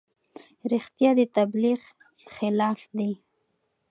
رښتیا د تبلیغ خلاف دي.